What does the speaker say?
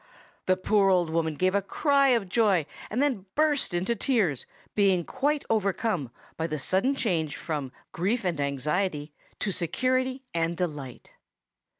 The poor old woman gave a cry of joy, and then burst into tears, being quite overcome by the sudden change from grief and anxiety to security and delight.